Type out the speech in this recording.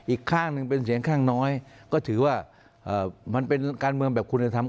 อีกข้างหนึ่งเป็นเสียงข้างน้อยก็ถือว่ามันเป็นการเมืองแบบคุณธรรม